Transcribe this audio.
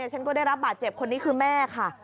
ฉันก็ได้รับบาดเจ็บคนนี้คือแม่ค่ะ